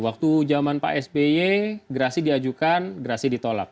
waktu zaman pak sby gerasi diajukan gerasi ditolak